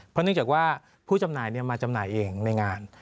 เพราะเนื่องจากว่าผู้จำหน่ายมาจำหน่ายเองในงาน